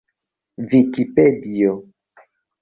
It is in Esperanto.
vikipedio